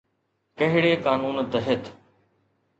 ڪهڙي قانون تحت؟